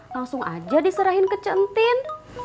langsung aja diserahin ke cik entin